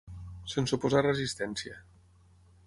Sense oposar resistència.